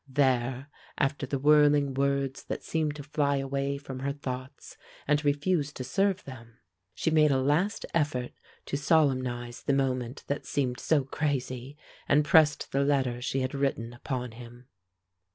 There, after the whirling words that seemed to fly away from her thoughts and refuse to serve them, she made a last effort to solemnize the moment that seemed so crazy, and pressed the letter she had written upon him.